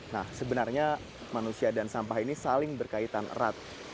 nah sebenarnya manusia dan sampah ini saling berkaitan erat